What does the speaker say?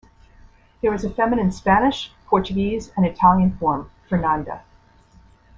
There is a feminine Spanish, Portuguese and Italian form, "Fernanda".